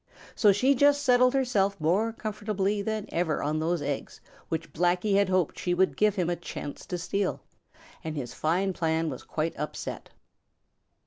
So she just settled herself more comfortably than ever on those eggs which Blacky had hoped she would give him a chance to steal, and his fine plan was quite upset.